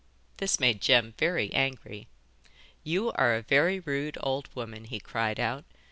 This made Jem very angry 'You are a very rude old woman,' he cried out.